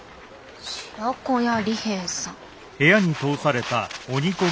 白子屋利兵衛さん。